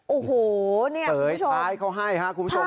โอ้โหเสยท้ายเขาให้ค่ะคุณผู้ชม